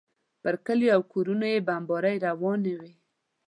پر کلیو او کورونو یې بمبارۍ روانې وې.